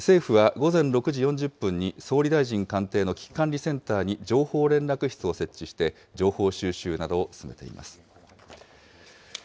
政府は午前６時４０分に、総理大臣官邸の危機管理センターに、情報連絡室を設置して、情報収集などを進めています。